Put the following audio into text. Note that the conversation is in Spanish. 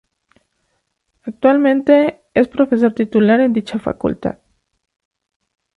Actualmente es profesor titular en dicha facultad.